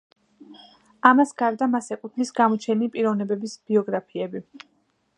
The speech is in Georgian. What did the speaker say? ამის გარდა მას ეკუთვნის გამოჩენილი პიროვნებების ბიოგრაფიები.